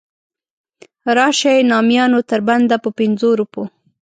راشئ نامیانو تر بنده په پنځو روپو.